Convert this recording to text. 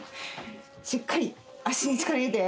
しっかり脚に力入れて。